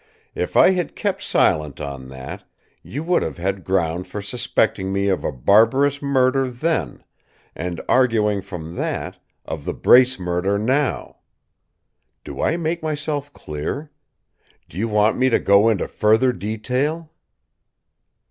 if I had kept silent on that, you would have had ground for suspecting me of a barbarous murder then, and, arguing from that, of the Brace murder now. "Do I make myself clear? Do you want me to go into further detail?"